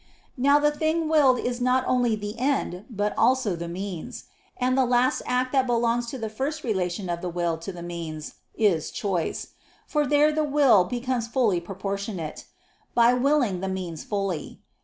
Now the thing willed is not only the end, but also the means. And the last act that belongs to the first relation of the will to the means, is choice; for there the will becomes fully proportionate, by willing the means fully.